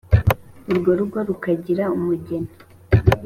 urwo rugó rukagira umugeni